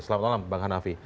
selamat malam bang hanafi